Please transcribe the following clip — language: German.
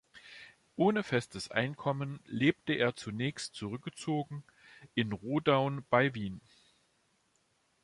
Ohne festes Einkommen lebte er zunächst zurückgezogen in Rodaun bei Wien.